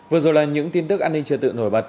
vừa rồi là những tin tức an ninh trật tự nổi bật